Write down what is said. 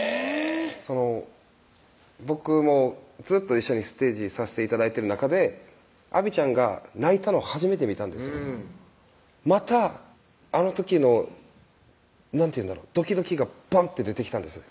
その僕もずっと一緒にステージさせて頂いてる中であびちゃんが泣いたの初めて見たんですよまたあの時の何て言うんだろうドキドキがバンって出てきたんですね